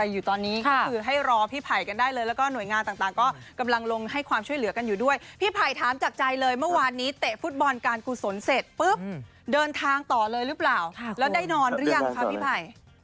เดินทางต่อเลยหรือเปล่าแล้วได้นอนหรือยังครับพี่ภัย